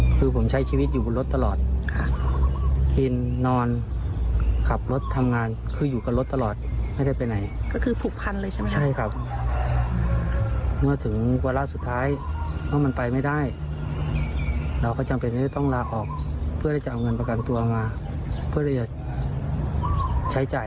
เพราะฉะนั้นผมก็ไม่คิดว่ามันจะมาสุดท้ายสุดแค่ตรงนี้